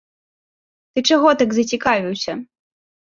Ты чаго так зацікавіўся?